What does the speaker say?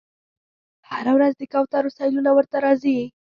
هره ورځ د کوترو سیلونه ورته راځي